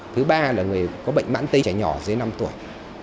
thứ ba là người có bệnh mãn tây trẻ nhỏ dưới năm tuổi